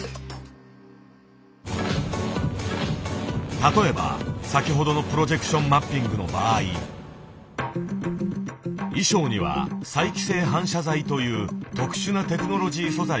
例えば先ほどのプロジェクションマッピングの場合衣装には再帰性反射材という特殊なテクノロジー素材が使われている。